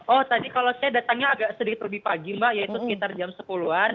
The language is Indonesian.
oh tadi kalau saya datangnya agak sedikit lebih pagi mbak yaitu sekitar jam sepuluh an